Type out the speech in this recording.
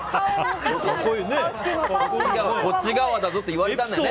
こっち側だぞって言われたんだよね。